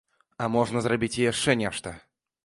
А можна зрабіць і яшчэ нешта.